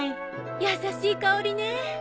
優しい香りね。